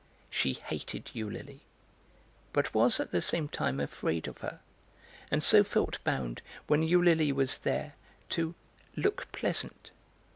She hated Eulalie, but was at the same time afraid of her, and so felt bound, when Eulalie was there, to 'look pleasant.'